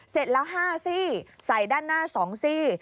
เสร็จแล้ว๕ซี่ใส่ด้านหน้า๒ซี่